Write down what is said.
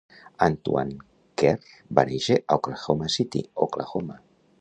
Antoine Carr va néixer a Oklahoma City, Oklahoma.